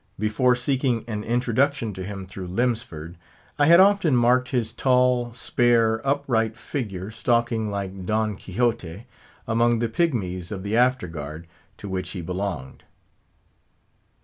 Before seeking an introduction to him through Lemsford, I had often marked his tall, spare, upright figure stalking like Don Quixote among the pigmies of the Afterguard, to which he belonged.